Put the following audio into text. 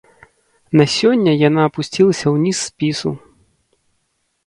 На сёння яна апусцілася ў ніз спісу.